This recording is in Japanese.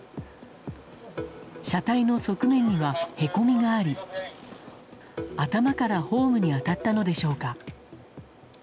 車体の側面には、へこみがあり頭からホームに当たったのでしょうか。